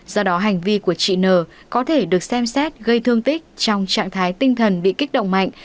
do đó hành vi của chị n có thể được xem xét gây thương tích trong trạng thái tinh thần bị kích động mạnh